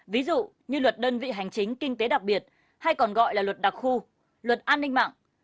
ví dụ như luật đơn vị hành chính kinh tế đặc biệt hay còn gọi là luật đặc khu luật an ninh mạng